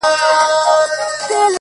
• وينه د وجود مي ده ژوندی يم پرې،